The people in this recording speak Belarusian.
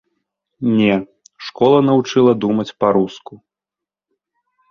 Не: школа наўчыла думаць па-руску.